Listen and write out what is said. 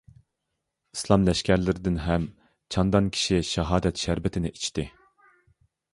ئىسلام لەشكەرلىرىدىن ھەم چەندان كىشى شاھادەت شەربىتىنى ئىچتى.